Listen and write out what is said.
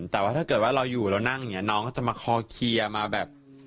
แต่ว่าถ้าเกิดว่าเราอยู่แล้วนั่งเนี่ยน้องเขาจะมาคอเคียร์มาแบบ